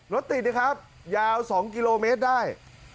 รถติดนะครับยาว๒กิโลเมตรได้